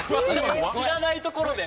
知らないところで。